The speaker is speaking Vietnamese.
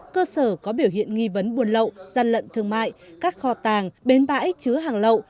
cơ sở có biểu hiện nghi vấn buôn lậu gian lận thương mại các kho tàng bến bãi chứa hàng lậu